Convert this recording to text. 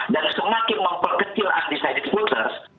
dan semakin memperkecil anti semitism voters